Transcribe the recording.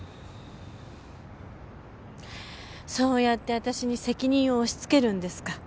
そうやって私に責任を押し付けるんですか？